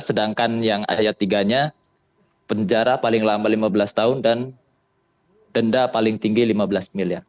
sedangkan yang ayat tiga nya penjara paling lama lima belas tahun dan denda paling tinggi lima belas miliar